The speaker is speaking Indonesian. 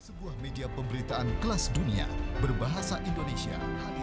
sebuah media pemberitaan kelas dunia berbahasa indonesia